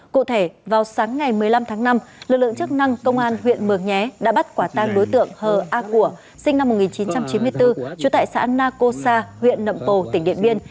cụ thể vào sáng ngày một mươi năm tháng năm lực lượng chức năng công an huyện mường nhé đã bắt quả tang đối tượng hờ a của sinh năm một nghìn chín trăm chín mươi bốn trú tại xã na cô sa huyện nậm pồ tỉnh điện biên